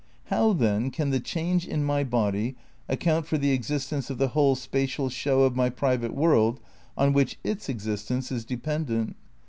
How, then, can the change in my body account for the existence of the whole spatial show of my private world on which its existence is dependent?